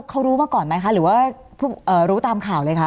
เขารู้มาก่อนไหมคะหรือว่ารู้ตามข่าวเลยคะ